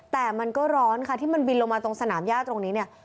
แต่มันก็ร้อนค่ะที่มันบินลงมาตรงสนามย่าตรงนี้เนี่ย